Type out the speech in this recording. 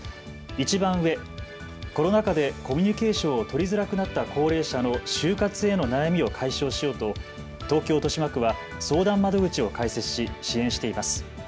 いちばん上、コロナ禍でコミュニケーションを取りづらくなった高齢者の終活への悩みを解消しようと東京豊島区は相談窓口を開設し支援しています。